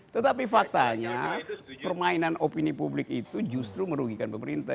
tetapi faktanya permainan opini publik itu justru merugikan pemerintah